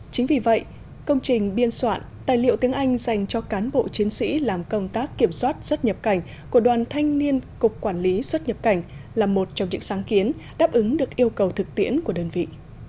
chính vì vậy công trình biên soạn tài liệu tiếng anh dành cho cán bộ chiến sĩ làm công tác kiểm soát xuất nhập cảnh của đoàn thanh niên cục quản lý xuất nhập cảnh là một trong những sáng kiến đáp ứng được yêu cầu thực tiễn của đơn vị